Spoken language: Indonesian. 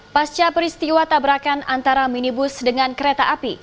pasca peristiwa tabrakan antara minibus dengan kereta api